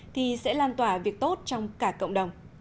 thì sẽ lan tỏa việc tốt trong cả cộng đồng